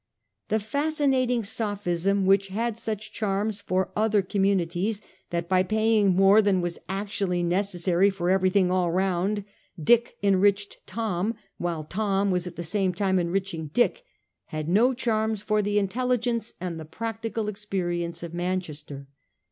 The fascinating sophism which had such charms for other communities, that by paying more than was actually necessary for everything all round, Dick enriched Tom, while Tom was at the same time enriching Dick, had no charms for the intelligence and the practical experience of Manchester.